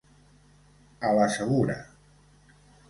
A la segura.